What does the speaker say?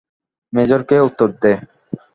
Major কে উত্তর দে।